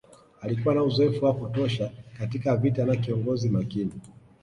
Alikuwa na uzoefu wa kutosha katika vita na kiongozi makini